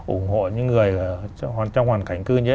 ủng hộ những người trong hoàn cảnh cư nhé